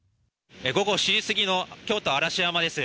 午後７時過ぎの京都・嵐山です。